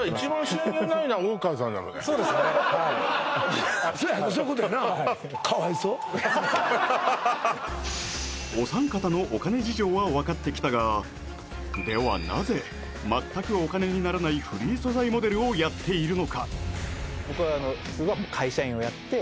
そうですねはいそやなそういうことやなはいお三方のお金事情は分かってきたがではなぜ全くお金にならないフリー素材モデルをやっているのか？